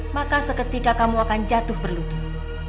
maka seketika kamu akan jatuh berlukis